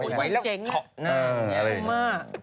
ไปไหวแล้วเฉ๊ะน่า